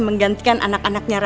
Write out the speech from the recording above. menjonjol mau zero dua tiga panggola